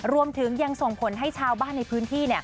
รวมถึงยังส่งผลให้ชาวบ้านในพื้นที่